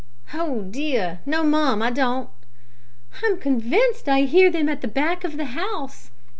"Oh, dear! no, mum, I don't." "I'm convinced I hear them at the back of the house!"